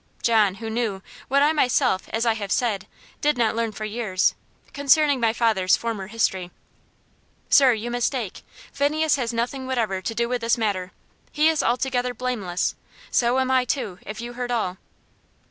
John who knew, what I myself, as I have said, did not learn for years, concerning my father's former history. "Sir, you mistake; Phineas has nothing whatever to do with this matter. He is altogether blameless. So am I too, if you heard all."